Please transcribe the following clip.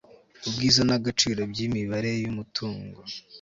Ubwiza n agaciro by imibare y umutungo